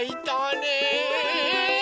ねえ。